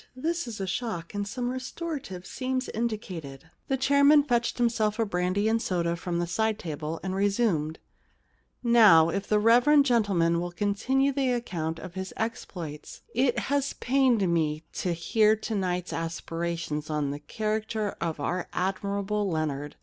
This is a shock, and some restorative seems indicated.' The chairman fetched himself a brandy and soda from the side table and resumed. * Now, if the reverend 38 The Kiss Problem gentleman will continue the account of his exploits It has pained me to hear to night asper sions on the character of our admirable Leonard.